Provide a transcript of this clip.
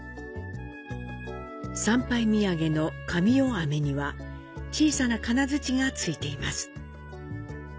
参拝土産の「加美代飴」には小さな金づちが付いています。